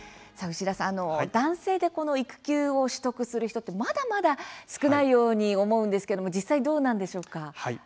牛田さん、男性でこの育休を取得する人ってまだまだ少ないように思うんですけれども実際、どうなんでしょうか？